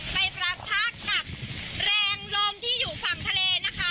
ไปประทะกับแรงลมที่อยู่ฝั่งทะเลนะคะ